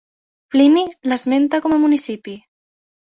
Plini l'esmenta com a municipi.